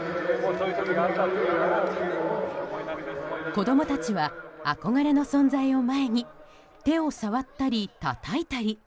子供たちはあこがれの存在を前に手を触ったりたたいたり。